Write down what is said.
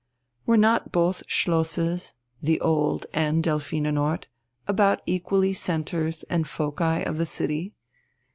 Were not both Schlosses, the Old and Delphinenort, about equally centres and foci of the city?